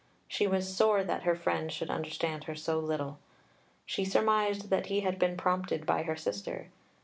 She was sore that her friend should understand her so little. She surmised that he had been prompted by her sister.